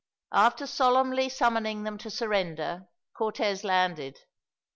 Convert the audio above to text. After solemnly summoning them to surrender, Cortez landed.